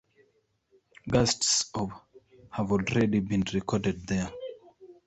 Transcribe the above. Gusts of have already been recorded there.